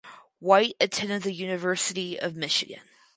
White attended the University of Michigan.